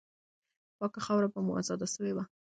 پاکه خاوره به مو آزاده سوې وه.